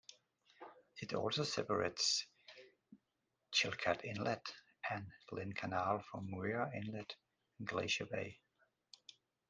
It also separates Chilkat Inlet and Lynn Canal from Muir Inlet in Glacier Bay.